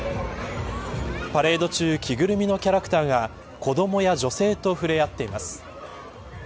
パレード中着ぐるみのキャラクターが子どもや女性と触れ合っています。